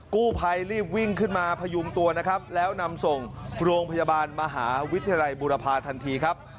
กู้ภัยรีบวิ่งขึ้นมาพยุงตัวนะครับแล้วนำส่งโรงพยาบาลมหาวิทยาลัยบุรพาทันทีครับ